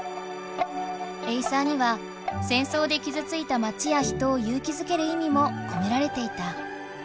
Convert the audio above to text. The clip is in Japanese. エイサーには戦争できずついたまちや人を勇気づける意味もこめられていた。